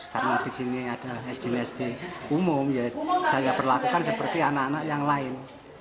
karena di sini ada sd sd umum saya perlakukan seperti anak anak yang lain